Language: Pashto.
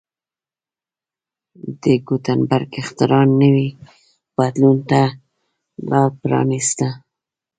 د ګوتنبرګ اختراع نوي بدلون ته لار پرانېسته.